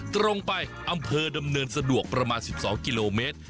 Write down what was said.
ตรงไปอำเภอดำเนินสะดวกประมาณ๑๒กิโลเมตร